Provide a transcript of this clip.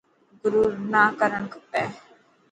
گرور نا ڪرڻ کپي.